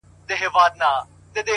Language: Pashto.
زغم د فشار پر وخت شخصیت ساتي،